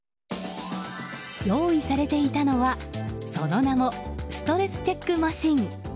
用意されていたのはその名もストレスチェックマシン。